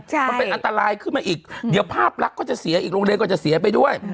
มันเป็นอันตรายขึ้นมาอีกเดี๋ยวภาพลักษณ์ก็จะเสียอีกโรงเรียนก็จะเสียไปด้วย